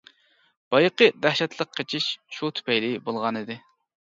بايىقى دەھشەتلىك قېچىش شۇ تۈپەيلى بولغانىدى.